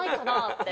って。